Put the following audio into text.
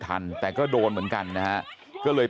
๊าย